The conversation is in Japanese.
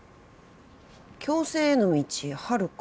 「共生への道はるか」？